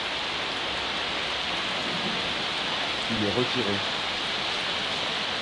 Il est retiré.